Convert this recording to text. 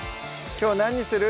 きょう何にする？